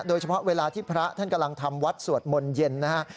เวลาที่พระท่านกำลังทำวัดสวดมนต์เย็นนะฮะ